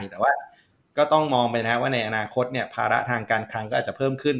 แต่ว่าก็ต้องมองไปนะครับว่าในอนาคตภาระทางการคลังก็อาจจะเพิ่มขึ้น